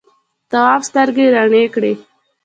تواب سترګې رڼې کړې.